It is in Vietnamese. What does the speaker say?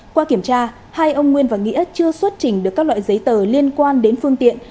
qua kiểm tra hai ông nguyên và nghĩa chưa xuất trình được các loại giấy tờ liên quan đến phương tiện